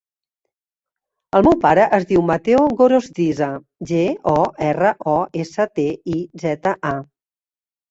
El meu pare es diu Matteo Gorostiza: ge, o, erra, o, essa, te, i, zeta, a.